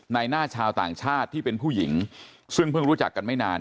ในหน้าชาวต่างชาติที่เป็นผู้หญิงซึ่งเพิ่งรู้จักกันไม่นาน